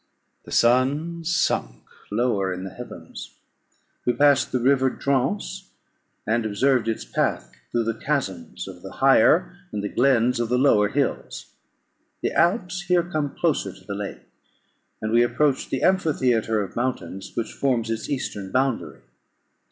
The sun sunk lower in the heavens; we passed the river Drance, and observed its path through the chasms of the higher, and the glens of the lower hills. The Alps here come closer to the lake, and we approached the amphitheatre of mountains which forms its eastern boundary.